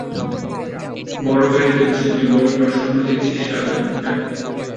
বড় গাড়িতে বসে, তুই বড় স্বপ্ন দেখছিস রাজা, হাহ্?